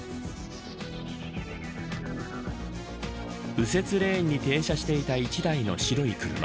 右折レーンに停車していた１台の白い車。